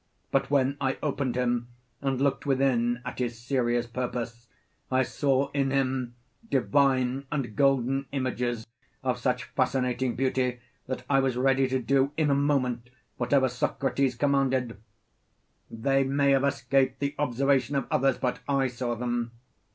But when I opened him, and looked within at his serious purpose, I saw in him divine and golden images of such fascinating beauty that I was ready to do in a moment whatever Socrates commanded: they may have escaped the observation of others, but I saw them.